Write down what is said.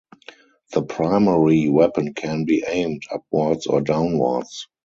The primary weapon can be "aimed" upwards or downwards.